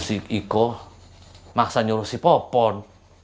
ko itu si iko maksa nyuruh si popon